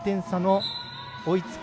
追いつく